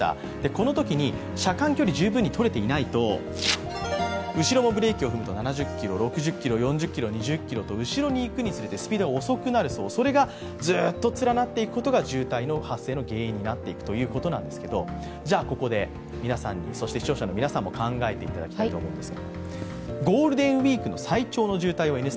このときに車間距離十分にとれていないと、後ろもブレーキを踏むと７０キロ、６０キロ、４０キロ、２０キロと後ろにつれて遅くなっていくそれがずっと連なっていくことが渋滞の発生の原因となっていくということなんですがここで皆さんに、そして視聴者の皆さんも考えていただきたいと思います。